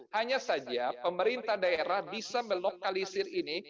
hanya saja pemerintah daerah bisa melokalisir ini